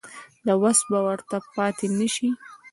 د وس به ورته پاتې نه شي.